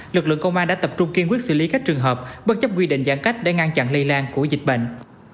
lực lượng công an đã tập trung kiên quyết xử lý các trường hợp bất chấp quy định giãn cách để ngăn chặn lây lan của dịch bệnh